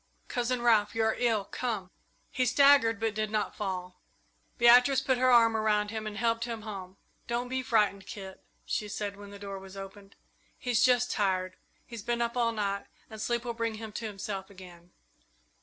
Cousin Ralph! You are ill! Come!" He staggered, but did not fall. Beatrice put her arm around him and helped him home. "Don't be frightened, Kit," she said, when the door was opened; "he's just tired. He's been up all night and sleep will bring him to himself again."